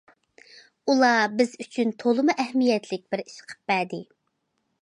ئۇلار بىز ئۈچۈن تولىمۇ ئەھمىيەتلىك بىر ئىش قىلىپ بەردى.